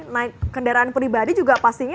naik kendaraan pribadi juga pastinya